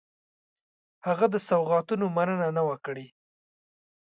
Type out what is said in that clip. هغه د سوغاتونو مننه نه وه کړې.